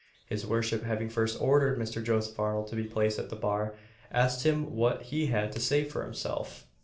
His worship having first ordered Mr. Joseph Arnold to be placed at the bar, asked him what he had to say for himself?